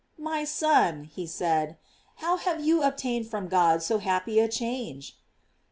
"My son," he said, "how have you obtained from God so happy a change?"